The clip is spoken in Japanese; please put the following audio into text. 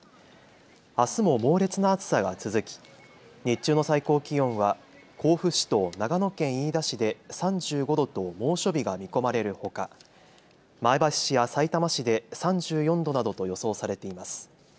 あすも猛烈な暑さが続き日中の最高気温は甲府市と長野県飯田市で３５度と猛暑日が見込まれるほか前橋市やさいたま市で３４度などと予想されています。